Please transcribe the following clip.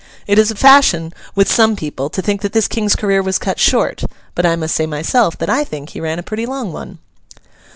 It is a fashion with some people to think that this King's career was cut short; but I must say myself that I think he ran a pretty long one.